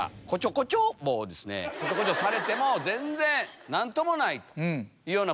こちょこちょされても全然何ともないですので。